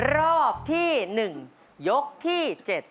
รอบที่หนึ่งยกที่เจ็ด